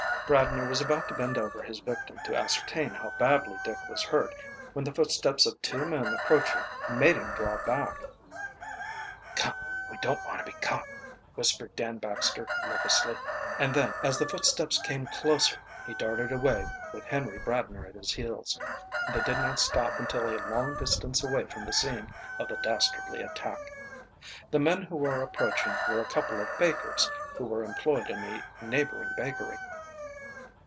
Bradner was about to bend over his victim to ascertain how badly Dick was hurt when the footsteps of two men approaching made him draw back. "Come, we don't want to be caught," whispered Dan Baxter nervously. And then, as the footsteps came closer, he darted away, with Henry Bradner at his heels. They did not stop until a long distance away from the scene of the dastardly attack. The men who were approaching were a couple of bakers who were employed in a neighboring bakery.